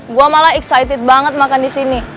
gue malah excited banget makan disini